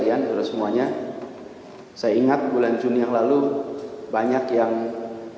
jadi baru sekalian untuk semuanya saya ingat bulan juni yang lalu banyak yang berkata